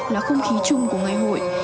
là không khí chung của ngày hội